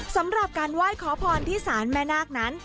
สำหรับการไหว้ขอพรที่ศาลแม่นาคนั้น